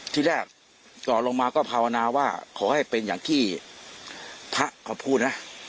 ที่แรกต่อลงมาก็ภาวนาว่าขอให้เป็นอย่างที่พระเขาพูดนะ